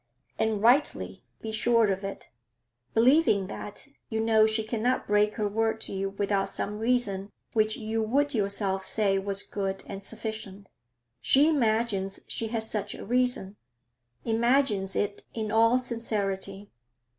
'And rightly, be sure of it. Believing that, you know she cannot break her word to you without some reason which you would yourself say was good and sufficient. She imagines she has such a reason; imagines it in all sincerity.